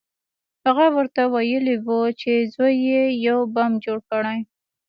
هغه ورته ویلي وو چې زوی یې یو بم جوړ کړی